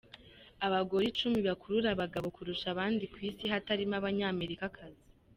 Abagore Icumi bakurura abagabo kurusha abandi ku Isi hatarimo y’Abanyamerikakazi